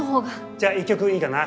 じゃ一曲いいかな？